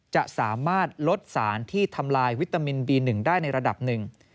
จะสามารถลดสารที่ทำลายวิตามินบี๑ได้ในระดับหนึ่ง